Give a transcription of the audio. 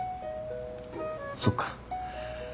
そっか。